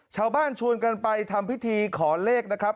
ชวนกันไปทำพิธีขอเลขนะครับ